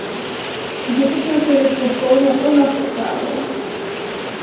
Dit is natuurlijk volkomen onacceptabel.